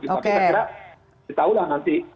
kita kira kita tahu lah nanti